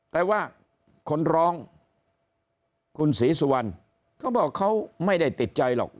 แต่ว่าคนร้องคุณศรีสุวรรณเขาบอกเขาไม่ได้ติดใจหรอก